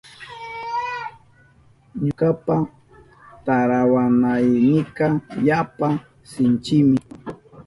Ñukapa tarawanaynika yapa sinchimi.